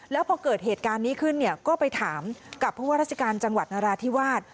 แล้วพอเกิดเหตุการณ์นี้ขึ้นเนี่ยก็ไปถามกับผู้ว่าราชการจังหวัดนราธิวาส